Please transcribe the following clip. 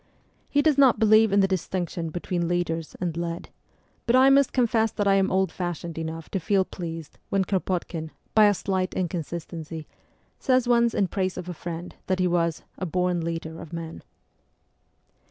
He does not believe in the distinction between leaders and led; but I must confess that I am old fashioned enough to feel pleased when Kropotkin, by a slight inconsistency, says once in praise of a friend that he was ' a born leader of men.'